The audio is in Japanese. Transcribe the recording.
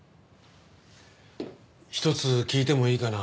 一つ聞いてもいいかな？